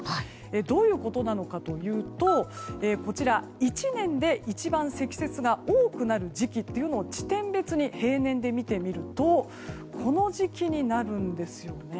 どういうことかというとこちらは１年で一番積雪が多くなる時期を地点別に平年で見てみるとこの時期になるんです。